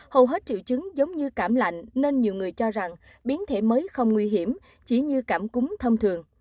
hầu hết triệu chứng giống như cảm lạnh nên nhiều người cho rằng biến thể mới không nguy hiểm chỉ như cảm cúm thông thường